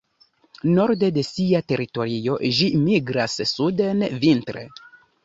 Norde de sia teritorio ĝi migras suden vintre.